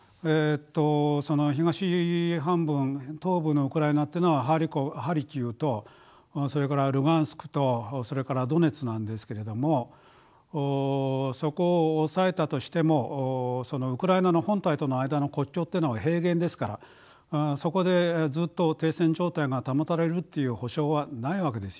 その東半分東部のウクライナっていうのはハルキウとそれからルガンスクとそれからドネツなんですけれどもそこを押さえたとしてもそのウクライナの本体との間の国境というのは平原ですからそこでずっと停戦状態が保たれるっていう保証はないわけですよね。